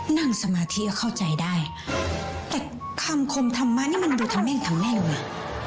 นั่งสมาธิก็เข้าใจได้แต่คำคมธรรมะนี่มันดูทำแม่งทำแม่งว่ะ